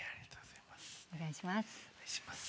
お願いします。